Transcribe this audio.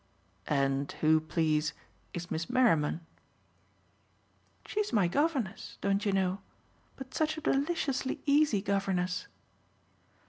"And who, please, is Miss Merriman?" "She's my governess, don't you know? but such a deliciously easy governess."